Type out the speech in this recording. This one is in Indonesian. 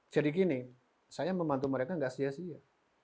jadi gini saya membantu mereka enggak sia sia